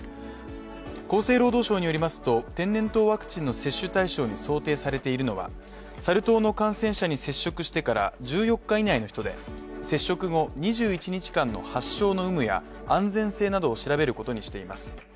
厚生労働省によりますと、天然痘ワクチンの接種対象に想定されているのは、サル痘の感染者に接触してから１４日以内の人で、接触後、２１日間の発症の有無や安全性などを調べることにしています。